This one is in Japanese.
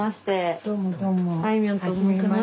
あいみょんと申します。